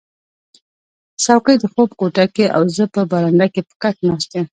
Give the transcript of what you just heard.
څوکی د خوب کوټه کې او زه په برنډه کې په کټ ناست یم